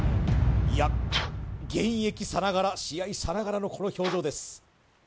いや現役さながら試合さながらのこの表情です